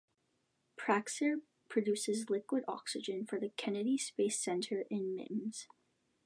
Praxair produces liquid oxygen for the Kennedy Space Center in Mims.